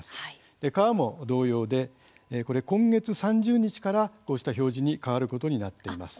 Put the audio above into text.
川も同様で今月３０日からこうした表示に変わることになっています。